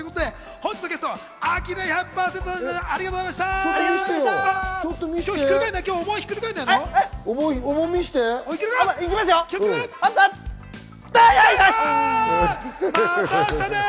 本日のゲスト、アキラ１００％さんです。